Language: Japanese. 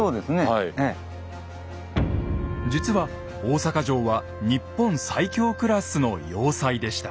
実は大坂城は日本最強クラスの要塞でした。